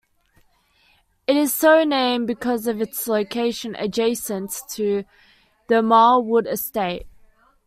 It is so named because of its location adjacent to the Marlwood Estate.